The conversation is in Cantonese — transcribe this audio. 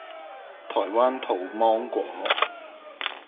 台灣土芒果